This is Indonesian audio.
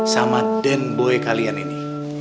sama den boy kalian ini